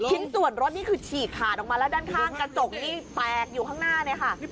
ชิ้นส่วนรถนี่คือฉีกขาดออกมาแล้วด้านข้างกระจกนี่แตกอยู่ข้างหน้าเลยค่ะ